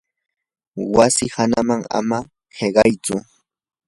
wasi hananman ama hiqaytsu.